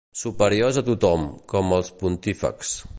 Superiors a tothom, com els Pontífexs.